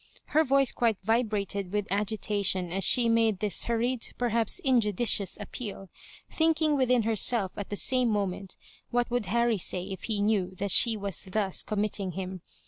Her voice quite vibrated with agitation as she made this hurried, perhaps injudicious, appeal, thinking within herself at the same moment what would Harry say if he knew that she was thus com mitting him.